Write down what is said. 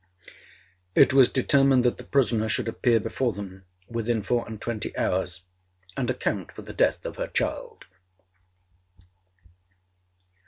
'It was determined that the prisoner should appear before them within four and twenty hours, and account for the death of her child.